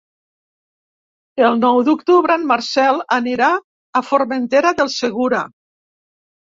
El nou d'octubre en Marcel anirà a Formentera del Segura.